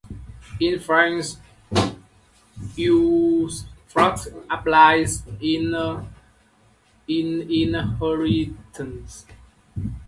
In France usufruct applies in inheritances.